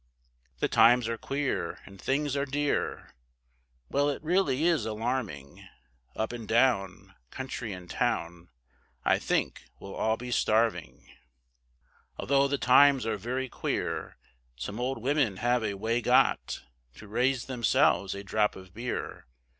The times are queer, and things are dear, Well, it really is alarming; Up and down, country and town, I think we'll all be starving. Although the times are very queer, Some old women have a way got, To raise themselves a drop of beer.